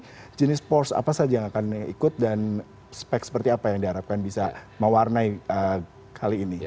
jadi jenis porsche apa saja yang akan ikut dan spek seperti apa yang diharapkan bisa mewarnai kali ini